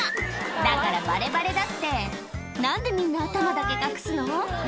だからバレバレだって何でみんな頭だけ隠すの？